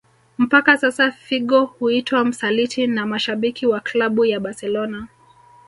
Mpaka sasa Figo huitwa msaliti na mashabiki waklabu ya Barcelona